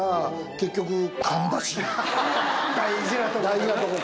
大事なとこで。